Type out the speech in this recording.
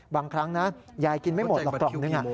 บางครั้งนะยายกินไม่หมดหรอกกล่องนึง